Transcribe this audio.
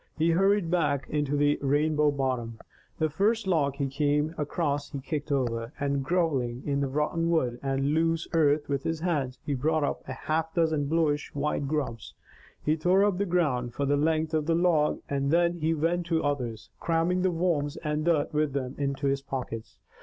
He hurried back into Rainbow Bottom. The first log he came across he kicked over, and grovelling in the rotten wood and loose earth with his hands, he brought up a half dozen bluish white grubs. He tore up the ground for the length of the log, and then he went to others, cramming the worms and dirt with them into his pockets.